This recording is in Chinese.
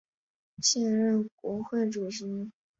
现任国会主席。